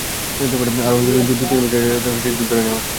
আরও অন্তত দু-তিন বছর দুজনের রাজত্ব চলবে বলে ধরে নেওয়া হচ্ছে।